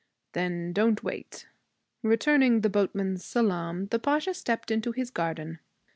'Then don't wait.' Returning the boatmen's salaam, the Pasha stepped into his garden.